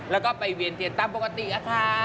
แล้วก็ไปเวียนเตียสตั้งปกติครับ